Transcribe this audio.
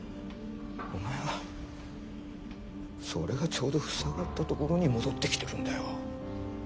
お前はそれがちょうど塞がったところに戻ってきてるんだよ。